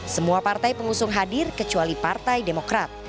semua partai pengusung hadir kecuali partai demokrat